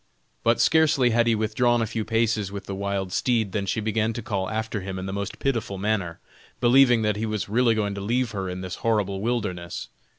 But scarcely had he withdrawn a few paces with the wild steed, than she began to call after him in the most pitiful manner, believing that he was really going to leave her in this horrible wilderness.